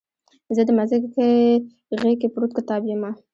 زه دمځکې غیږ کې پروت کتاب یمه